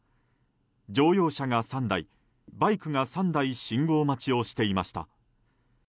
乗用車が３台、バイクが３台信号待ちをしていました。